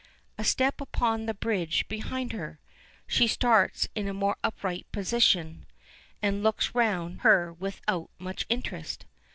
A step upon the bridge behind her! She starts into a more upright position and looks round her without much interest.